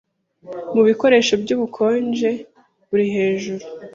mu bikoresho by'ubukonje buri hejuru